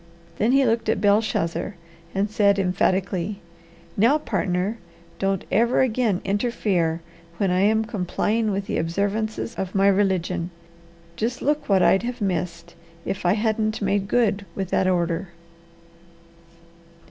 Then he looked at Belshazzar and said emphatically: "Now, partner, don't ever again interfere when I am complying with the observances of my religion. Just look what I'd have missed if I hadn't made good with that order!"